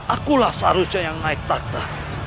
akulah seharusnya yang naik takta